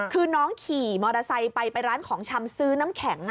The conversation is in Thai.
คือน้องขี่มอเตอร์ไซค์ไปไปร้านของชำซื้อน้ำแข็ง